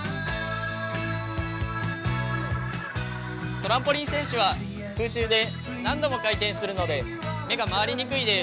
トランポリン選手は空中で何度も回転するので目が回りにくいです。